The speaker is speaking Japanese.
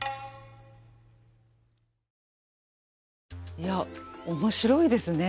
いや面白いですね。